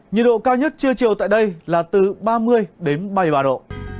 nhiệt độ cao nhất trưa chiều tại đây là từ ba mươi đến ba mươi ba độ